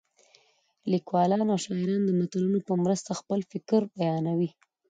لیکوالان او شاعران د متلونو په مرسته خپل فکر بیانوي